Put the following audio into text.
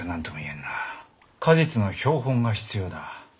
果実の標本が必要だ。